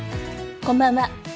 こんばんは。